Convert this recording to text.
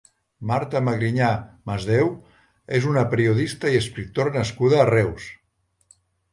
Marta Magrinyà Masdéu és una periodista i escriptora nascuda a Reus.